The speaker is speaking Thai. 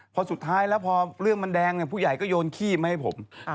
พอสุดท้ายแล้วพอเรื่องมันแดงผู้ใหญ่ก็โยนขี้มาให้ผม